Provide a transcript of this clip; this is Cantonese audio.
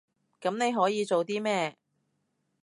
噉你可以做啲咩？